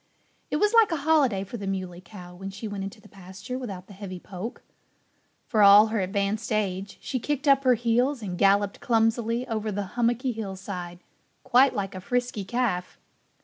It was like a holiday for the Muley Cow when she went into the pasture without the heavy poke. For all her advanced age, she kicked up her heels and galloped clumsily over the hummocky hillside, quite like a frisky calf.